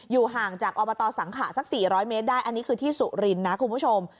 ห่างจากอบตสังขะสัก๔๐๐เมตรได้อันนี้คือที่สุรินทร์นะคุณผู้ชม